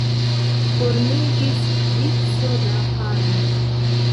Formiĝis vico da farmoj.